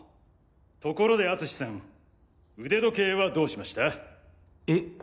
ところで敦さん腕時計はどうしました？え？